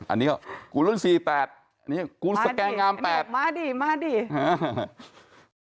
อันนี้กรุงสี่แปดอันนี้กรุงสแกงงามแปดมาดีมาดีมาดี